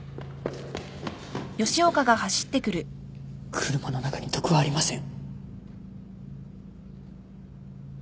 車の中に毒はありません。